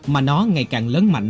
mà nó ngày càng lớn mạnh